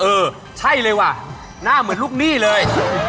เออใช่เลยว่ะหน้าเหมือนลูกหนี้เลย